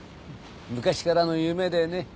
昔からの夢でね。